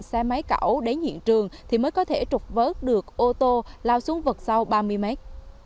xe máy cảo đến hiện trường thì mới có thể trục vớt được ô tô lao xuống vực sau ba mươi mét